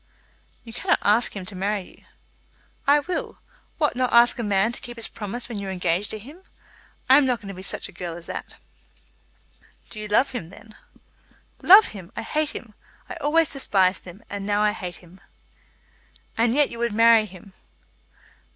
"You cannot ask him to marry you." "I will. What, not ask a man to keep his promise when you are engaged to him? I am not going to be such a girl as that." "Do you love him, then?" "Love him! I hate him. I always despised him, and now I hate him." "And yet you would marry him?"